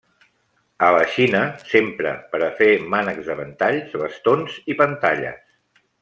A la Xina s'empra per a fer mànecs de ventalls, bastons i pantalles.